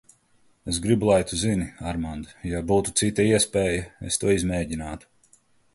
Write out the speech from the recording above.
Es gribu, lai tu zini, Armand, ja būtu cita iespēja, es to izmēģinātu.